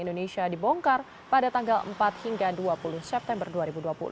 indonesia dibongkar pada tanggal empat hingga dua puluh september dua ribu dua puluh enam